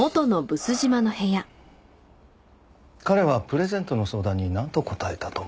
“彼”はプレゼントの相談になんと答えたと思いますか？